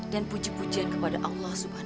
dan puji pujian kepada allah swt